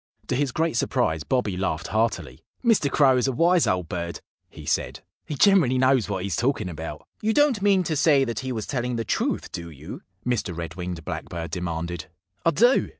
To his great surprise Bobby laughed heartily. "Mr. Crow is a wise old bird," he said, "He generally knows what he's talking about." "You don't mean to say that he was telling the truth, do you?" Mr. Red winged Blackbird demanded. "I do!"